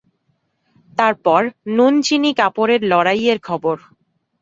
তার পর নুন-চিনি-কাপড়ের লড়াইয়ের খবর।